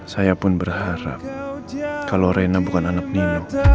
saya pun berharap kalau rena bukan anak minum